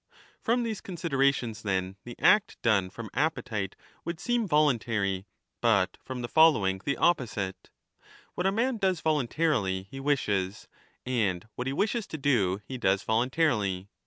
f From these considerations, then, the act done from appetite would seem voluntary, but from the following the 5 opposite : what a man does voluntarily he wishes, and what he wishes to do he does voluntarily.